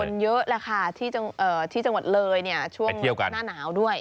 เยอะแหละค่ะที่จังหวัดเลยเนี่ยช่วงหน้าหนาวด้วย